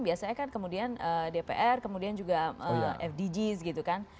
biasanya kan kemudian dpr kemudian juga fdgs gitu kan